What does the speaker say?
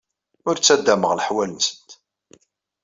Ur ttaddameɣ leḥwal-nsent.